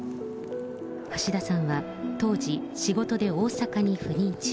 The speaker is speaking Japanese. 橋田さんは当時、仕事で大阪に赴任中。